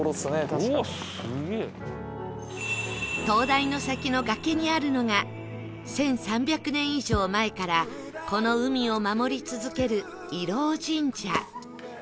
灯台の先の崖にあるのが１３００年以上前からこの海を守り続ける石室神社